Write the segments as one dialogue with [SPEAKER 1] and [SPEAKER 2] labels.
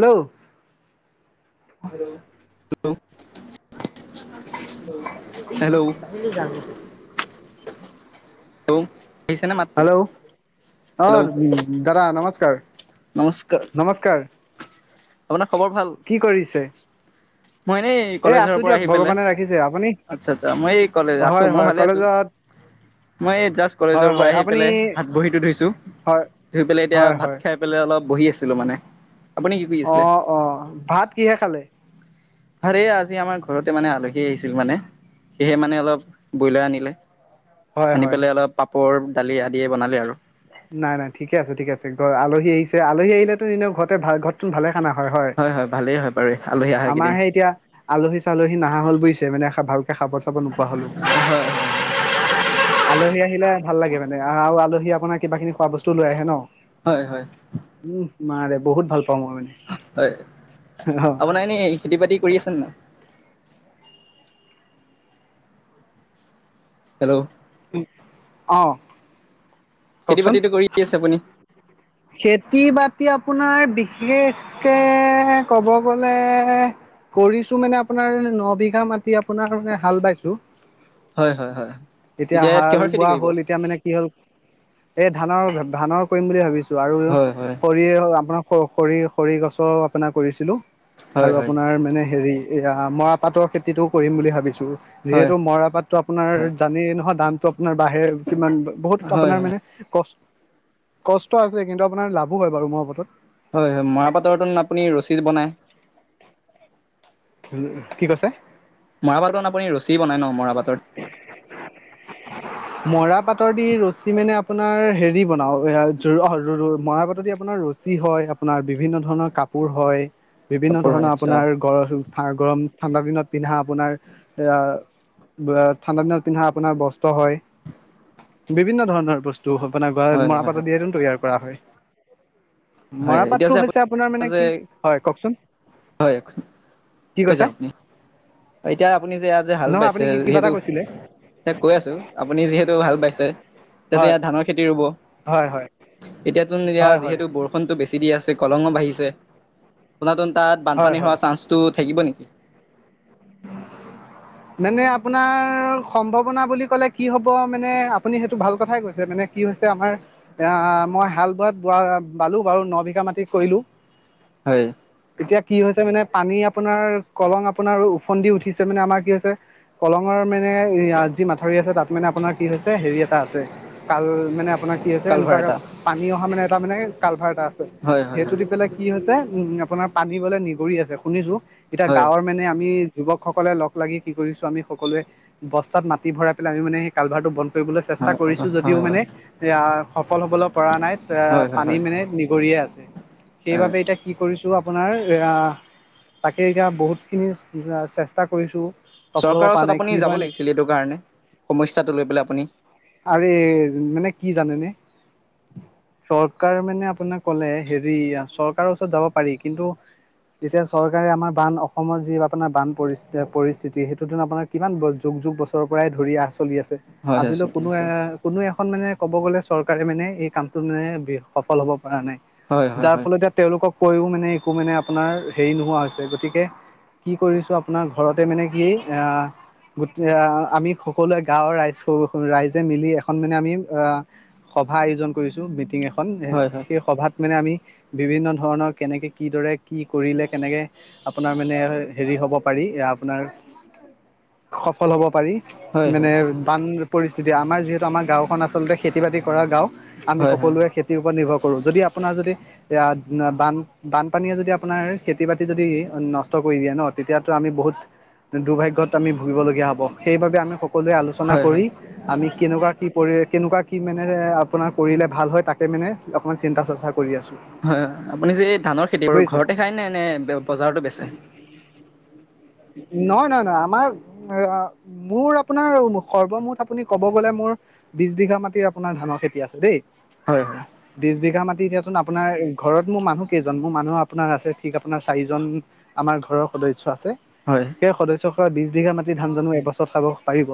[SPEAKER 1] Hello!
[SPEAKER 2] Hello! Hello! Hello আহিছে নে মাতটো?
[SPEAKER 1] হেল্ল'
[SPEAKER 2] হেল্ল'
[SPEAKER 1] অ', দাদা নমস্কাৰ।
[SPEAKER 2] নমস্কাৰ,
[SPEAKER 1] নমস্কাৰ
[SPEAKER 2] আপোনাৰ খবৰ ভাল?
[SPEAKER 1] কি কৰিছে?
[SPEAKER 2] মই এনেই এনে
[SPEAKER 1] এই
[SPEAKER 2] কলেজৰ
[SPEAKER 1] আছো
[SPEAKER 2] পৰা
[SPEAKER 1] দিয়ক
[SPEAKER 2] আহি পেলাই।
[SPEAKER 1] ভগৱানে ৰাখিছে আপুনি
[SPEAKER 2] আচছা, আচ্ছা মই এই, কলেজ। আছোঁ
[SPEAKER 1] হয়
[SPEAKER 2] মই
[SPEAKER 1] হয়
[SPEAKER 2] ভালে আছোঁ।
[SPEAKER 1] কলেজত
[SPEAKER 2] মই এই জাষ্ট
[SPEAKER 1] হয়
[SPEAKER 2] কলেজৰ পৰা
[SPEAKER 1] হয়
[SPEAKER 2] আহি
[SPEAKER 1] আপুনি
[SPEAKER 2] পেলাই হাত ভৰিটো ধুইছোঁ,
[SPEAKER 1] হয়
[SPEAKER 2] ধুই পেলাই এতিয়া
[SPEAKER 1] হয় হয়
[SPEAKER 2] ভাত খাই পেলাই অলপ বহি আছিলোঁ মানে। আপুনি কি কৰি আছিলে
[SPEAKER 1] অ', অ', ভাত কিহে খালে?
[SPEAKER 2] আৰে আজি আমাৰ ঘৰতে মানে আলহী আহিছিল মানে। সেয়েহে মানে অলপ ব্ৰইলাৰ আনিলে।
[SPEAKER 1] হয়
[SPEAKER 2] আনি
[SPEAKER 1] হয়
[SPEAKER 2] পেলাই অলপ পাপৰ দালি আদিয়ে বনালে আৰু।
[SPEAKER 1] নাই, নাই ঠিকে আছে, ঠিকে আছে। [unintelligible] আলহী আহিছে আলহী আহিলেতো এনেও ঘৰতে ভা ভালে খানা হয়, হয়।
[SPEAKER 2] ভালেই হয় বাৰু আলহী আহাৰ কেইদিন
[SPEAKER 1] আমাৰহে এতিয়া আলহী চালহী নাহা হ'ল বুইছে। মানে ভালকে খাব চাব নোপোৱা হ'লো। আলহী আহিলে ভাল লাগে মানে আৰু আলহী আপোনাৰ কিবা কিবি খোৱা বস্তু লৈ আহে ন'!
[SPEAKER 2] হয়, হয়।
[SPEAKER 1] উফ, মাৰে বহুত ভাল পাওঁ মই মানে।
[SPEAKER 2] হয়,
[SPEAKER 1] অ
[SPEAKER 2] আপোনাৰ এনেই খেতি বাতি কৰি আছে নাই? হেল্লৌ!
[SPEAKER 1] উম, অ'।
[SPEAKER 2] খেতি
[SPEAKER 1] কওকচোন।
[SPEAKER 2] বাতিটো কৰি আছে আপুনি?
[SPEAKER 1] খেতি বাতি আপোনাৰ বিশেষকে ক'ব গ'লে কৰিছোঁ মানে আপোনাৰ ন বিঘা মাটি আপোনাৰ মানে হাল বাইছো।
[SPEAKER 2] হয় হয় হয়।
[SPEAKER 1] এতিয়া
[SPEAKER 2] ইয়াত
[SPEAKER 1] হাল
[SPEAKER 2] কিহৰ খেতি
[SPEAKER 1] বোৱা
[SPEAKER 2] কৰিব?
[SPEAKER 1] হ'ল, এতিয়া মানে কি হ'ল, এই ধানৰ ধানৰ কৰিম বুলি ভাবভাবিছোঁ আৰু
[SPEAKER 2] হয় হয়
[SPEAKER 1] ই আপোনাৰ খ- খৰি খৰি গছৰ আপোনাৰ কৰিছিলোঁ
[SPEAKER 2] হয়
[SPEAKER 1] আৰু
[SPEAKER 2] হয়
[SPEAKER 1] আপোনাৰ মানে হেৰি এ, ৰাম মৰা পাতৰ খেতিটো কৰিম বুলি ভাবিছোঁ।
[SPEAKER 2] হয়
[SPEAKER 1] যিহেতু মৰা পাততো আপোনাৰ জানেই নহয়, দামটো আপোনাৰ বাঢ়ে কিমান
[SPEAKER 2] হয়
[SPEAKER 1] বহুত
[SPEAKER 2] হয়
[SPEAKER 1] আপোনাৰ মানে কষ্ট কস্ত আছে, কিন্তু আপোনাৰ লাভো হয়, মৰা পাটত।
[SPEAKER 2] হয়, হয়, মৰা পাটৰটো আপুনি ৰছী বনায়?
[SPEAKER 1] [unintelligible] কি কৈছে?
[SPEAKER 2] মৰা পাটৰ আপুনি ৰছী বনাই ন মৰা পাটৰ?
[SPEAKER 1] [unintelligible] মৰা পাটৰ দি ৰছী মানে আপোনাৰ হেৰি বনাও এ অ মৰা পাটৰ দি আপোনাৰ ৰছ যি হয়। আপোনাৰ বিভিন্ন ধৰণৰ কাপোৰ হয়। বিভিন্ন
[SPEAKER 2] কাপোৰ হয়
[SPEAKER 1] ধৰণৰ
[SPEAKER 2] আচ্ছা
[SPEAKER 1] আপোনাৰ গৰ গৰম ঠাণ্ডা দিনত পিন্ধা আপোনাৰ এয়া ঠাণ্ডা দিনত পিন্ধা আপোনাৰ বস্ত হয়। বিভিন্ন ধৰণৰ বস্তু মানে
[SPEAKER 2] হয়
[SPEAKER 1] মৰা
[SPEAKER 2] হয় হয়
[SPEAKER 1] পাট দিয়েটোন তৈয়াৰ কৰা হয়।
[SPEAKER 2] হয় এতিয়া
[SPEAKER 1] মৰাপাটটো
[SPEAKER 2] যে আপুনি
[SPEAKER 1] হৈছে। আপোনাৰ মানে
[SPEAKER 2] যে
[SPEAKER 1] কি হয়। কওকচোন। কি কৈছে?
[SPEAKER 2] কৈজা এতিয়া আপুনি এয়া যে হাল
[SPEAKER 1] নহয়
[SPEAKER 2] বাইছে
[SPEAKER 1] আপুনি কি কিবা এটা
[SPEAKER 2] যিহেতু
[SPEAKER 1] কৈছিলে
[SPEAKER 2] কৈ আছো। আপুনি যিহেতু হাল বাইছে তেনতে
[SPEAKER 1] হয়
[SPEAKER 2] ইয়াত ধানৰ খেতি ৰুব
[SPEAKER 1] হয়। হয়।
[SPEAKER 2] এতিয়াতুন এয়া
[SPEAKER 1] হয় হয়
[SPEAKER 2] যিহেতু বৰষুণতটো বেছি দি আছে কলঙো বাঢ়িছে। পুনাতুন তাত
[SPEAKER 1] হয়
[SPEAKER 2] বানপানী
[SPEAKER 1] হয়।
[SPEAKER 2] হোৱা চান্সটো থাকিব নেকি?
[SPEAKER 1] মানে আপোনাৰ সম্ভাৱনা বুলি ক'লে কি হ'ব মানে আপুনি সেইটো ভাল কথাই কৈছে মানে কি হৈছে আমাৰ। এয়া মই হাল বোৱাত বোৱা বালো বাৰু ন বিঘা মাটি কৰিলো।
[SPEAKER 2] হয়।
[SPEAKER 1] তেতিয়া কি হৈছে, মানে পানী আপোনাৰ কলং আপোনাৰ ওফন্দি উঠিছে মানে আমাৰ কি হৈছে। কলঙৰ মানে যি মাঠৰি আছে। তাত মানে আপোনাৰ কি হৈছে। হেৰি এটা আছে। কাল মানে আপোনাৰ কি আছে।
[SPEAKER 2] কালভাৰ
[SPEAKER 1] এনেকুৱা
[SPEAKER 2] এটা
[SPEAKER 1] পানী অহা মানে এটা মানে কালভাৰ এটা
[SPEAKER 2] হয় হয়
[SPEAKER 1] সেইটো
[SPEAKER 2] হয়
[SPEAKER 1] দি পেলাই কি হৈছে। উম, আপোনাৰ পানী হলে নিগৰি আছে শুনিছো। এতিয়া
[SPEAKER 2] হয়
[SPEAKER 1] গাঁৱৰ মানে আমি যুৱকসকলে লগ লাগি কি কৰিছো। আমি সকলোৱে বস্তাত মাটি ভৰাই পেলাই আমি মানে সেই কালভাৰটো বন্ধ কৰিবলৈ চেষ্টা কৰিছো।
[SPEAKER 2] হয়
[SPEAKER 1] যদিও
[SPEAKER 2] হয়
[SPEAKER 1] মানে এয়া সফল হবলৈ পৰা নাই।
[SPEAKER 2] হয়
[SPEAKER 1] [unintelligible] পানী
[SPEAKER 2] হয়
[SPEAKER 1] মানে নিগৰিয়ে আছে।
[SPEAKER 2] হয়
[SPEAKER 1] সেইবাবে এতিয়া কি কৰিছো। আপোনাৰ তাকে এতিয়া বহুতখিনি চেষ্টা কৰিছো। সফল হ'ব
[SPEAKER 2] চৰকাৰ
[SPEAKER 1] পৰা
[SPEAKER 2] ওচৰত
[SPEAKER 1] নাই কি
[SPEAKER 2] আপুনি যাব
[SPEAKER 1] হয় নেকি।
[SPEAKER 2] লাগিছিল। এইটো কাৰণে সমস্যাটো লৈ পেলাই আপুনি।
[SPEAKER 1] আৰে মানে কি জানেনে? চৰকাৰ মানে আপোনাক কলে হেৰি চৰকাৰ ওচৰত যাব পাৰি। কিন্তু তেতিয়া চৰকাৰে আমাৰ বান অসমত যি আপোনাৰ বান পৰি পৰিস্থিতি সেইটো দিন আপোনাৰ কিমান যুগ যুগ বছৰৰ পৰাই ধৰি চলি আছে।
[SPEAKER 2] হয় হয়
[SPEAKER 1] আজিলৈ
[SPEAKER 2] ঠিক
[SPEAKER 1] কোনো
[SPEAKER 2] আছে
[SPEAKER 1] এ, কোনো এখন মানে ক'ব গ'লে চৰকাৰে মানে এই কামটোত মানে সফল হ'ব পৰা নাই।
[SPEAKER 2] হয় হয়
[SPEAKER 1] যাৰ
[SPEAKER 2] হয়
[SPEAKER 1] ফলতে তেওঁলোকক কৈও মানে একো মানে আপোনাৰ হেৰি নোহোৱা হৈছে। গতিকে কি কৰিছো। আপোনাৰ ঘৰতে মানে কি [unintelligible] গোট আহ, আমি সকলোৱে গাঁৱৰ ৰাইজ ৰাইজে মিলি এখন মানে আমি আহ, সভা আয়োজন কৰিছো। মিটিং এখন
[SPEAKER 2] হয় হয়
[SPEAKER 1] সেই সভাত মানে আমি বিভিন্ন ধৰণৰ কেনেকৈ কিদৰে কি কৰিলে। কেনেকৈ আপোনাৰ মানে হেৰি হ'ব পাৰি। আপোনাৰ সফল হব পাৰি।
[SPEAKER 2] হয় হয়
[SPEAKER 1] মানে বান পৰিস্থিতি আমাৰ যিহেতু আমাৰ গাঁওখন আচলতে খেতি বাতি কৰা গাঁও আমি
[SPEAKER 2] হয় হয়
[SPEAKER 1] সকলোৱে খেতি ওপৰত নিৰ্ভৰ কৰো। যদি আপোনাৰ যদি এতিয়া বান বানপানীয়ে যদি আপোনাৰ খেতি বাতি যদি নষ্ট কৰি দিয়ে ন, তেতিয়াতো আমি বহুত দুৰ্ভাগ্যত আমি ভুগিবলগীয়া হ'ব সেইবাবে আমি সকলোৱে আলোচনা
[SPEAKER 2] হয় হয়
[SPEAKER 1] কৰি
[SPEAKER 2] হয়
[SPEAKER 1] আমি কেনেকুৱা কি পৰি কেনেকুৱা কি মানে আপোনাৰ কৰিলে ভাল হয়, তাকে মানে অকণমান চিন্তা চৰ্চা কৰি আছো।
[SPEAKER 2] হয় আপুনি যে ধানৰ খেতি কৰে, ঘৰতে খায় নে নে বজাৰতো বেচে?
[SPEAKER 1] নহয় নহয় নহয় আমাৰ এইয়া মোৰ আপোনাৰ সৰ্বমুঠ আপুনি ক'ব গ'লে মোৰ বিশ বিঘা মাটিৰ আপোনাৰ ধানৰ খেতি আছে দেই।
[SPEAKER 2] হয়।
[SPEAKER 1] বিশ বিঘা মাটি দিয়াচোন আপোনাৰ ঘৰত মোৰ মানুহ কেইজন, মোৰ মানুহ আপোনাৰ আছে ঠিক আপোনাৰ চাৰিজন আমাৰ ঘৰৰ সদস্য আছে।
[SPEAKER 2] হয়।
[SPEAKER 1] এই সদস্য খ বিশ বিঘা মাটি ধান জানো এবছৰত খাব পাৰিব?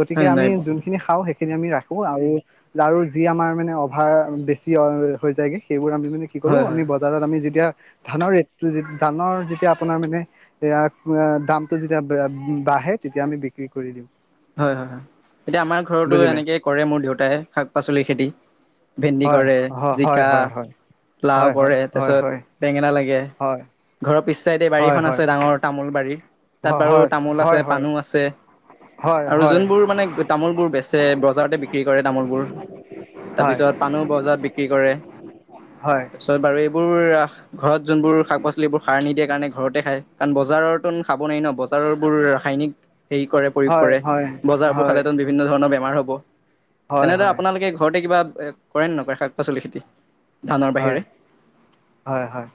[SPEAKER 1] গতিকে
[SPEAKER 2] হয়
[SPEAKER 1] আমি
[SPEAKER 2] নাই
[SPEAKER 1] যোন খিনি খাওঁ সেইখিনি আমি ৰাখো আৰু আৰু যি আমাৰ মানে অভাৰ বেছি হৈ যায়গে সেইবোৰ আমি মানে কি কৰোঁ
[SPEAKER 2] হয়
[SPEAKER 1] আমি
[SPEAKER 2] হয়
[SPEAKER 1] বজাৰত আমি যেতিয়া ধানৰ ৰেটটো যে ধানৰ যেতিয়া আপোনাৰ মানে এয়া দামটো যেতিয়া বাঢ়ে তেতিয়া আমি বিক্ৰী কৰি দিওঁ।
[SPEAKER 2] হয় হয় হয়, এতিয়া আমাৰ ঘৰতো
[SPEAKER 1] বুজিলে
[SPEAKER 2] এনেকে কৰে মোৰ দেউতাই শাক পাচলিৰ খেতি। ভেন্দি
[SPEAKER 1] হয়
[SPEAKER 2] কৰে,
[SPEAKER 1] হয় হয়
[SPEAKER 2] জিকা,
[SPEAKER 1] হয় হয় হয়
[SPEAKER 2] লাও
[SPEAKER 1] হয়
[SPEAKER 2] কৰে তাৰ
[SPEAKER 1] হয়
[SPEAKER 2] পিছত বেঙেনা লাগে।
[SPEAKER 1] হয়।
[SPEAKER 2] ঘৰৰ পিছ চাইডে
[SPEAKER 1] হয়
[SPEAKER 2] বাৰীখন
[SPEAKER 1] হয় হয়
[SPEAKER 2] আছে ডাঙৰ তামোল বাৰী, তাত বাৰু
[SPEAKER 1] হয় হয়
[SPEAKER 2] তামোল
[SPEAKER 1] হয় হয়
[SPEAKER 2] আছে পানো আছে।
[SPEAKER 1] হয়
[SPEAKER 2] আৰু
[SPEAKER 1] হয়
[SPEAKER 2] যোনবোৰ মানে তামোলবোৰ বেচে বজাৰতে বিক্ৰী কৰে তামোলবোৰ।
[SPEAKER 1] হয়
[SPEAKER 2] তাৰপিছত পানো বজাৰত বিক্ৰী কৰে, তাৰপিছত বাৰু এইবোৰ আহ ঘৰত যোনবোৰ শাক পাচলিবোৰ সাৰ নিদিয়ে কাৰণে ঘৰতে খায়, কাৰণ বজাৰৰ তোন খাব নোৱাৰি ন বজাৰৰবোৰ ৰাসায়নিক হেৰি কৰে প্ৰয়োগ
[SPEAKER 1] হয়
[SPEAKER 2] কৰে বজাৰবোৰ
[SPEAKER 1] হয়
[SPEAKER 2] খালেতোন বি বিভিন্ন ধৰণৰ বেমাৰ হ'ব,
[SPEAKER 1] হয়
[SPEAKER 2] তেনেদৰে
[SPEAKER 1] হয়
[SPEAKER 2] আপোনালোকে ঘৰতে কিবা এ কৰে নে নকৰে শাক পাচলি খেতি? ধানৰ
[SPEAKER 1] হয়
[SPEAKER 2] বাহিৰে
[SPEAKER 1] হয় হয়,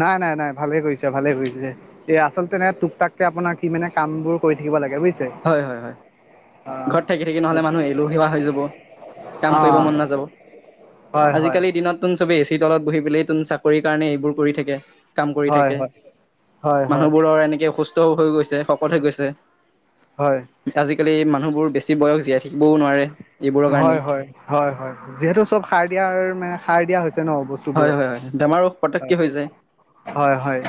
[SPEAKER 1] নাই নাই নাই ভালে কৰিছে ভালে কৰিছে। এ আচলতেনে টুক টাককে আপোনাৰ কি মানে কাম বোৰ কৰি থাকিব লাগে বুই
[SPEAKER 2] হয় হয় হয়। ঘৰত থাকি থাকি নহ'লে মানুহ এলেহুৱা হৈ যাব, কাম
[SPEAKER 1] অ
[SPEAKER 2] কৰিব মন নাযাব।
[SPEAKER 1] অ হয় হয়
[SPEAKER 2] আজিকালি দিনত তোন চবে এ চি তলত বহি পেলাই তোন চাকৰিৰ কাৰণে এইবোৰ কৰি থাকে। কাম কৰি
[SPEAKER 1] হয়
[SPEAKER 2] থাকে,
[SPEAKER 1] হয় হয় হয়
[SPEAKER 2] মানুহবোৰৰ এনেকে অসুস্থ হৈ গৈছে শকত হৈ গৈছে।
[SPEAKER 1] হয়।
[SPEAKER 2] আজিকালি মানুহবোৰ বেছি বয়স জীয়াই থাকিবও নোৱাৰে। এইবোৰৰ
[SPEAKER 1] হয়
[SPEAKER 2] কাৰণেই
[SPEAKER 1] হয় হয় হয় যিহেতু চব সাৰ দিয়াৰ মানে সাৰ দিয়া হৈছে ন বস্
[SPEAKER 2] হয় হয় হয় বেমাৰো পতককে হৈ যায়।
[SPEAKER 1] হয় হয়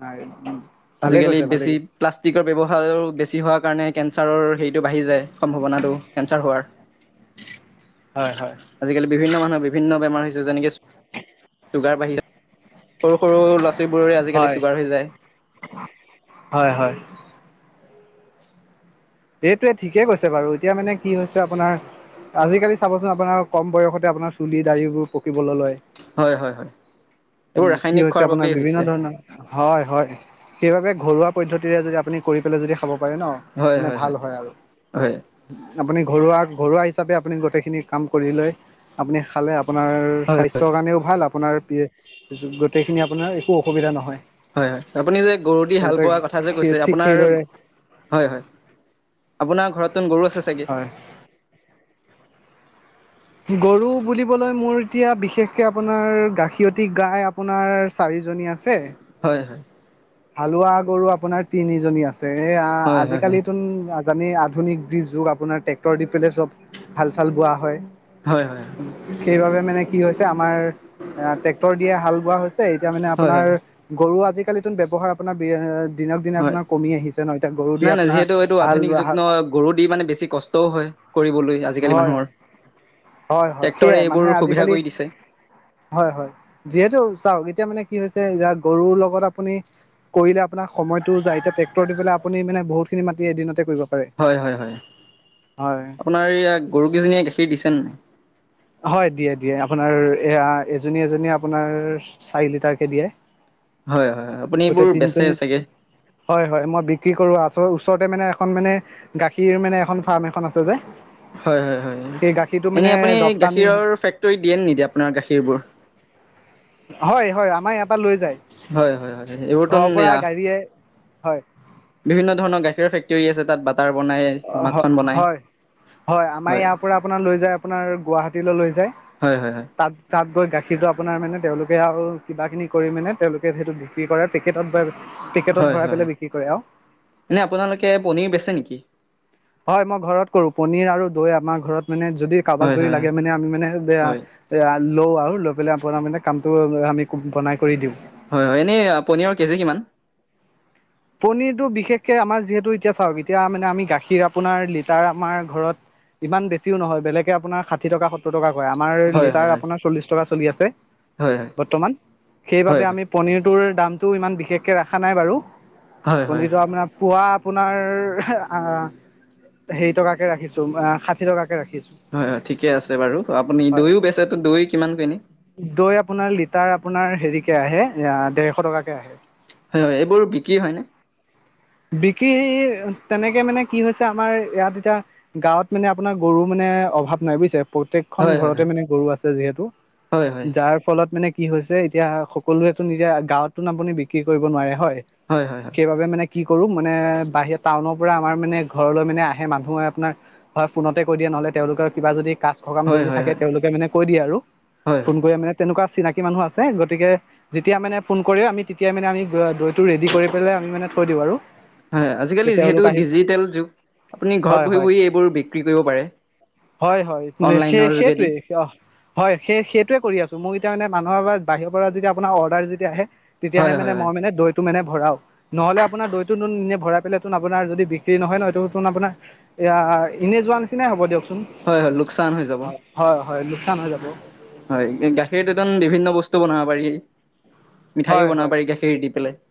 [SPEAKER 1] হয় উম।
[SPEAKER 2] আজিকালি বেছি প্লাষ্টিকৰ ব্যযৱহাৰো বেছি হোৱা কাৰণে কেঞ্চাৰৰ হেৰিটো বাঢ়ি যায়, সম্ভাৱনাটো, কেঞ্চাৰ হোৱাৰ।
[SPEAKER 1] হয় হয়
[SPEAKER 2] আজিকালি বিভিন্ন মানুহ বিভিন্ন বেমাৰ হৈছে, যেনেকে
[SPEAKER 1] [unintelligible]
[SPEAKER 2] চুগাৰ বাঢ়ি যায়। সৰু সৰু ল'ৰা ছোৱালী বোৰৰে আজিকালি
[SPEAKER 1] হয়
[SPEAKER 2] চুগাৰ হৈ যায়।
[SPEAKER 1] হয় হয়। সেইটোৱে ঠিকেই কৈছে বাৰু, এতিয়া মানে কি হৈছে আপোনাৰ আজিকালি চাবচোন আপোনাৰ কম বয়সতে আপোনাৰ চুলি দাৰীবোৰ পকিবলে লয়।
[SPEAKER 2] হয় হয় হয় এইবোৰ
[SPEAKER 1] কি
[SPEAKER 2] ৰাসায়নিক
[SPEAKER 1] হৈছে
[SPEAKER 2] খোৱাৰ
[SPEAKER 1] আপোনাৰ
[SPEAKER 2] বাবেই
[SPEAKER 1] বিভিন্ন
[SPEAKER 2] হৈছে
[SPEAKER 1] ধৰণৰ হয় হয়, সেইবাবে ঘৰুৱা পদ্ধতিৰে যদি আপুনি কৰি পেলাই যদি খাব পাৰে ন মানে ভাল হয় আৰু।
[SPEAKER 2] হয়
[SPEAKER 1] আপুনি ঘৰুৱা ঘৰুৱা হিচাপে আপুনি গোটেই খিনি কাম কৰি লৈ আপুনি খালে আপ আপোনাৰ
[SPEAKER 2] হয়
[SPEAKER 1] স্বাস্থ্যৰ কাৰণেও ভাল, আপোনাৰ এ গোটেইখিনি আপোনাৰ একো অসুবিধা নহয়
[SPEAKER 2] হয় হয়। আপুনি যে গৰু দি হাল
[SPEAKER 1] আচলতে
[SPEAKER 2] বোৱা কথা যে কৈছে
[SPEAKER 1] ঠিক
[SPEAKER 2] আপোনাৰ,
[SPEAKER 1] সেইদৰে
[SPEAKER 2] হয় হয় আপোনাৰ ঘৰত তোন গৰু আছে চাগে
[SPEAKER 1] হয় গৰু বুলিবলৈ মোৰ এতিয়া বিশেষকে আপোনাৰ গাখীৰতি গাই আপোনাৰ চাৰিজনী আছে
[SPEAKER 2] হয় হয়
[SPEAKER 1] হালোৱা গৰু আপোনাৰ তিনিজনী আছে। এ আ
[SPEAKER 2] হয় হয় হয়
[SPEAKER 1] আজিকালি তোন জানেই আধুনিক যি যুগ আপোনাৰ ট্ৰেক্টৰ দি পেলাই চব হালচাল বোৱা হয়।
[SPEAKER 2] হয় হয়
[SPEAKER 1] সেইবাবে মানে কি হৈছে আমাৰ আ ট্ৰেক্টৰ দিয়ে হাল বোৱা হৈছে, এতিয়া মানে
[SPEAKER 2] হয়
[SPEAKER 1] আপোনাৰ
[SPEAKER 2] হয়
[SPEAKER 1] গৰু আজিকালিটোত ব্যৱহাৰ আপোনাৰ বি এ দিনক দিনে
[SPEAKER 2] হয়
[SPEAKER 1] আপোনাৰ কমি আহিছে ন', এতিয়া গৰু দি
[SPEAKER 2] নাই নাই
[SPEAKER 1] আপোনাৰ
[SPEAKER 2] যিহেতু এইটো
[SPEAKER 1] হাল
[SPEAKER 2] আধুনিক
[SPEAKER 1] বোৱা
[SPEAKER 2] যুগ
[SPEAKER 1] হাল
[SPEAKER 2] ন গৰু দি মানে বেছি কষ্টও হয় কৰিবলৈ আজিকালি
[SPEAKER 1] হয়
[SPEAKER 2] মানুহৰ
[SPEAKER 1] হয় হয় হয়
[SPEAKER 2] টেক্টৰে
[SPEAKER 1] সেয়াই মানুহে
[SPEAKER 2] এইবোৰ সুবিধা
[SPEAKER 1] আজিকালি
[SPEAKER 2] কৰি দিছে
[SPEAKER 1] হয় হয়। যিহেতু চাওক এতিয়া মানে কি হৈছে যে গৰুৰ লগত আপুনি কৰিলে আপোনাৰ সময়টো যায়। এতিয়া ট্ৰেক্টৰ দি পেলায় আপুনিনে বহুতখিনি মাটি এদিনতে কৰিব পাৰে
[SPEAKER 2] হয় হয় হয়।
[SPEAKER 1] হয়
[SPEAKER 2] আপোনাৰ এইয়া গৰুকেইজনীয়ে গাখীৰ দিছেনাই
[SPEAKER 1] হয় দিয়ে দিয়ে। আপোনাৰ এয়া এজনী এজনী আপোনাৰ চাৰি লিটাৰ কে দিয়ে।
[SPEAKER 2] হয় হয় হয় আপুনি এইবোৰ
[SPEAKER 1] গোটেই
[SPEAKER 2] বেচে
[SPEAKER 1] তিনজনী
[SPEAKER 2] চাগে
[SPEAKER 1] হয় হয় মই বিক্ৰী কৰো। আচ-ওচৰতে মানে এখন মানে গাখীৰ মেনে এখন ফাৰ্ম এখন আছে যে
[SPEAKER 2] হয় হয় হয়।
[SPEAKER 1] সেই গাখীৰটো মানে
[SPEAKER 2] এনেই আপুনি এই
[SPEAKER 1] ৰপ্তানি
[SPEAKER 2] গাখীৰৰ ফেক্টৰীত দিয়ে নে নিদিয়ে আপোনাৰ গাখীৰবোৰ
[SPEAKER 1] হয় হয়। আমাৰ ইয়াৰ পা লৈ যায়।
[SPEAKER 2] হয় হয় হয়
[SPEAKER 1] ঘৰৰ পৰা
[SPEAKER 2] এইবোৰতোন
[SPEAKER 1] গাড়ীয়ে, হয়
[SPEAKER 2] বিভিন্ন ধৰণৰ গাখীৰৰ ফেক্টৰী আছে তাত বাত
[SPEAKER 1] অ হ হয় হয়। আমাৰ ইয়াৰ পৰা আপোনাৰ লৈ যায় আপোনাৰ গুৱাহাটীলৈ লৈ যায়।
[SPEAKER 2] হয় হয় হয়
[SPEAKER 1] তাত তাত গৈ গাখীৰটো আপোনাৰ মানে তেওঁলোকে আৰু কিবা খিনি কৰি মানে তেওঁলোকে যিহেতু বিক্ৰী কৰে পেকেটত ব
[SPEAKER 2] হয় হয় হয়। এনে আপোনালোকে পনিৰ বেছে নেকি
[SPEAKER 1] হয় মই ঘৰত কৰো। পনীৰ আৰু দৈ আমাৰ ঘৰত মানে যদি কাৰোবাক
[SPEAKER 2] হয়
[SPEAKER 1] যদি
[SPEAKER 2] হয় হয়
[SPEAKER 1] লাগে মানে আমি মানে
[SPEAKER 2] হয়
[SPEAKER 1] বেয়া লওঁ লও আউ লৈ পেলাই আপোনাৰ মানে কামটো আমি বনাই কৰি দিওঁ
[SPEAKER 2] হয় হয় এনেই আ পনীয়ৰ কেজি কিমান।
[SPEAKER 1] পনীৰটো বিশেষকে আমাৰ যিহেতু এতিয়া চাওক এতিয়া মানে আমি গাখীৰ আপোনাৰ লিটাৰ আমাৰ ঘৰত ইমান বেছিও নহয়। বেলেগে আপোনাৰ ষাঠি টকা সত ত্তৰ টকা কয়। আমাৰ
[SPEAKER 2] হয় হয়
[SPEAKER 1] লিটাৰ আপোনাৰ চল্লিছ টকা চলি আছে।
[SPEAKER 2] হয় হয়
[SPEAKER 1] বৰ্তমান,
[SPEAKER 2] হয়
[SPEAKER 1] সেইবাবে
[SPEAKER 2] হয় হয়
[SPEAKER 1] আমি পনীৰটোৰ দামটো ইমান বিশেষকে ৰাখা নাই বাৰু
[SPEAKER 2] হয় হয়
[SPEAKER 1] পনীৰটো আপোনাৰ পুৱা আপোনাৰ আহ হেৰি টকাকে ৰাখিছো আ' ষাঠি টকাকে ৰাখিছো
[SPEAKER 2] হয় হয় ঠিকে আছে বাৰু আপুনি
[SPEAKER 1] হয়
[SPEAKER 2] দৈয়ও বেচতো দৈ কিমান কিনি
[SPEAKER 1] দৈ আপোনাৰ লিটাৰ আপোনাৰ হেৰিকে আহে আহ দেৰশ টকাকে আহে
[SPEAKER 2] হয় হয় এইবোৰ বিক্ৰী হয়নে
[SPEAKER 1] বিক্ৰীহ তেনেকে মানে কি হৈছে আমাৰ ইয়াত এতিয়া গাঁৱত মানে আপোনাৰ গৰুৰ মানে অভাৱ নাই বুইছে প্ৰত্যেকখন
[SPEAKER 2] হয় হয় হয়
[SPEAKER 1] ঘৰতে মানে গৰু আছে যিহেতু
[SPEAKER 2] হয় হয়
[SPEAKER 1] যাৰ ফলত মানে কি হৈছে এতিয়া সকলোৱেতো নিজা গাঁৱত তোন আপুনি বিক্ৰী কৰিব নোৱাৰে হয়
[SPEAKER 2] হয় হয় হয়
[SPEAKER 1] সেইবাবে মানে কি কৰো মানে বাহিৰ পৰা টাউনৰ পৰা আমাৰ মানে ঘৰলৈ মানে আহে মানুহে আপোনাৰ হয় ফোনতে কৈ দিয়া নহলে তেওঁলোকৰ কিবা যদি কা সকাম
[SPEAKER 2] হয় হয়
[SPEAKER 1] যদি
[SPEAKER 2] হয়
[SPEAKER 1] থাকে
[SPEAKER 2] হয়
[SPEAKER 1] তেওঁলোকে মানে কৈ দিয়ে আৰু
[SPEAKER 2] হয়
[SPEAKER 1] ফোন কৰি মানে তেনেকুৱা চিনাকি মানুহ আছে গতিকে যেতিয়া মানে ফোন কৰি আমি তেতিয়াই মানে আমি দৈটো ৰেডি কৰি পেলাই আমি থৈ দিওঁ আৰু।
[SPEAKER 2] হয়
[SPEAKER 1] যে
[SPEAKER 2] আজিকালি যিহেতু
[SPEAKER 1] তেওঁলোক আহি
[SPEAKER 2] ডিজিটেল আপুনি ঘৰত
[SPEAKER 1] হয় হয়
[SPEAKER 2] বহি এইবোৰ বিক্ৰী কৰিব পাৰে।
[SPEAKER 1] হয়, হয় সেই
[SPEAKER 2] অনলাইনৰ যোগেদি
[SPEAKER 1] সেইটোৱে অ'। হয় সেই সেইটোৱে কৰি আছোঁ মোৰ এতিয়া মানে মানুহৰ বাহিৰৰ পৰা যেতিয়া আপোনাৰ অৰ্ডাৰ যেতিয়া আহে তেতিয়াহে
[SPEAKER 2] হয়
[SPEAKER 1] মানে
[SPEAKER 2] হয় হয়
[SPEAKER 1] মই মানে দৈটো মানে ভৰাও। নহ'লে আপোনাৰ দৈটো তোন ভৰাই পেললে তোন আপোনাৰ যদি বিক্ৰী নহয় নহয়তোন আপোনাৰ এয়া এনে যোৱা নিচিনাই হ'ব
[SPEAKER 2] হয় হয় লোকচান হৈ যাব
[SPEAKER 1] দিয়কচোন হয় হয় লোকচান হৈ যাব।
[SPEAKER 2] হয় গাখীৰ তন বিভিন্ন বস্তু বনাব পাৰি মিঠাইও
[SPEAKER 1] হয় হয়
[SPEAKER 2] বনাব পাৰি গাখীৰ খেৰ দি পেলাই